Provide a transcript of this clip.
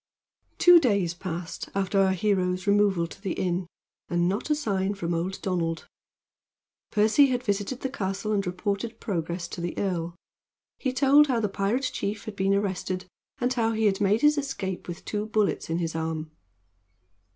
Two days passed after our hero's removal to the inn, and not a sign from old Donald. Percy had visited the castle and reported progress to the earl. He told how the pirate chief had been arrested, and how he had made his escape with two bullets in his arm.